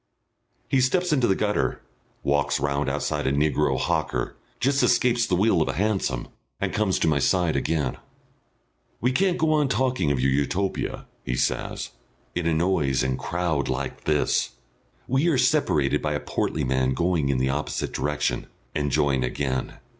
He steps into the gutter, walks round outside a negro hawker, just escapes the wheel of a hansom, and comes to my side again. "We can't go on talking of your Utopia," he says, "in a noise and crowd like this." We are separated by a portly man going in the opposite direction, and join again.